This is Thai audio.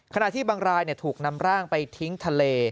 ขณะที่บางรายถูกนำร่างไปทิ้งทะเล